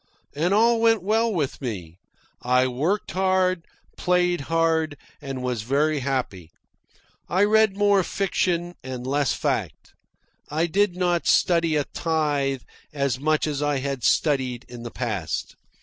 And all went well with me. I worked hard, played hard, and was very happy. I read more fiction and less fact. I did not study a tithe as much as I had studied in the past.